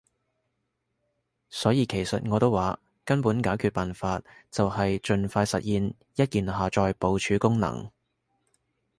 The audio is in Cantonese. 所以其實我都話，根本解決辦法就係儘快實現一鍵下載部署功能